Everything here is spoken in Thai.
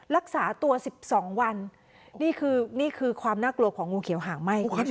รักษาตัว๑๒วันนี่คือนี่คือความน่ากลัวของงูเขียวหางไหม้คุณผู้ชม